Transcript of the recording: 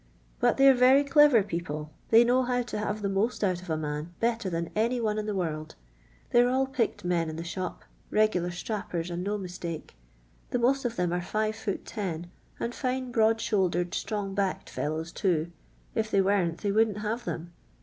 But they are very clever people. They know how to have the most out of a man, better than any one in the world. They are all picked men in the shop — regular ' itrappers/ and no mistake. The most of them are five foot ten, and fine broad shouldered, strong backed fellows too— if they weren't they wouldn't have them.